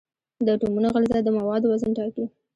د اټومونو غلظت د موادو وزن ټاکي.